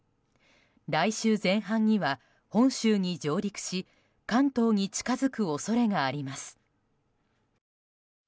来週前半には本州に上陸し関東に近づく恐れがあります。